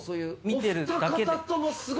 見てるだけで。